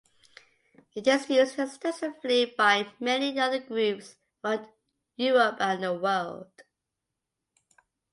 It is used extensively by many other groups around Europe and the world.